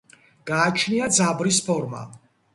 გააჩნია ძაბრის ფორმა.